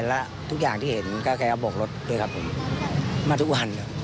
แล้วทุกอย่างที่เห็นแกก็บกรถด้วยครับผมมาทุกวัน